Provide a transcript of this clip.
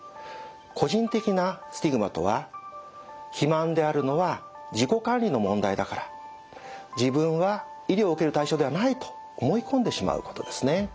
個人的なスティグマとは肥満であるのは自己管理の問題だから自分は医療を受ける対象ではないと思い込んでしまうことですね。